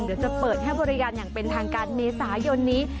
เดี๋ยวจะเปิดให้บริการอย่างเป็นทางการเมษายนนี้